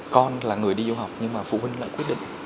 con là người đi du học nhưng mà phụ huynh lại quyết định